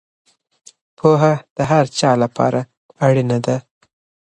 پوهه د هر چا لپاره اړینه ده.